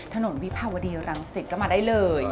ถนนวิภาวดีรังศิษย์ก็มาได้เลย